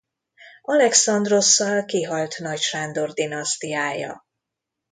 Alexandrosszal kihalt Nagy Sándor dinasztiája.